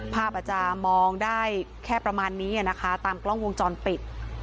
ภาพอาจจะมองได้แค่ประมาณนี้นะคะตามกล้องวงจรปิด